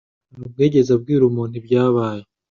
ntabwo yigeze abwira umuntu ibyabaye.